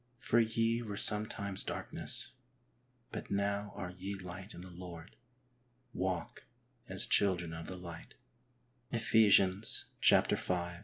For ye were sometimes darkness, but now are ye light in the Lord ; walk as children of the light " {Ephesians v.